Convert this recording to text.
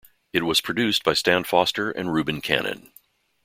It was produced by Stan Foster and Reuben Cannon.